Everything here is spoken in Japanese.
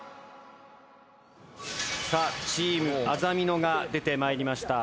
さあチームあざみ野が出て参りました。